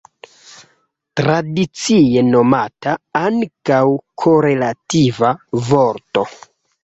Tradicie nomata ankaŭ korelativa vorto.